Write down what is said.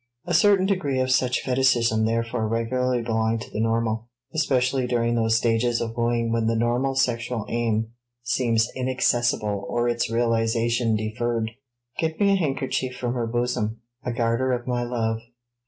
A certain degree of such fetichism therefore regularly belong to the normal, especially during those stages of wooing when the normal sexual aim seems inaccessible or its realization deferred. "Get me a handkerchief from her bosom a garter of my love."